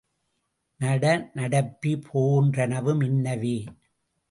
நட, நடப்பி போன்றனவும் இன்னவே.